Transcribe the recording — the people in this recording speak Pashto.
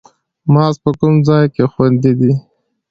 مغز په کوم ځای کې خوندي دی